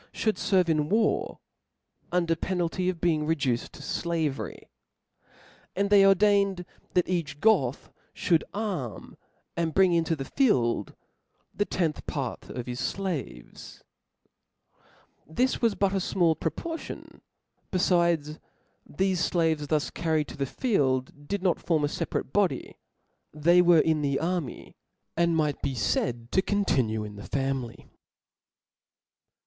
(jjQuij fgrve in war, under penalty of being re (») Ibid, duced to flavery ; and they ordained that each jy'.^'iT' Goth (hould arm and bring into the field the tenth C) Ibid, part (?) of his flaves. This was but a fmall pro* ?'§9« portion: befides, thefe flaves thus carried to the field, did not form a feparate body ; they were in the army, and might be faid to continue in the family.